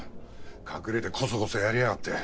隠れてこそこそやりやがって。